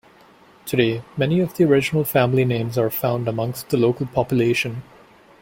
Today many of the original family names are found amongst the local population.